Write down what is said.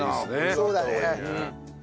そうだね。